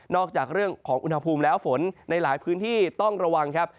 จากเรื่องของอุณหภูมิแล้วฝนในหลายพื้นที่ต้องระวังครับ